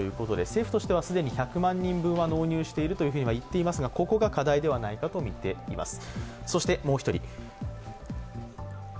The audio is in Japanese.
政府としては既に１００万人分は購入しているといっていますがここが課題ではないかとみています。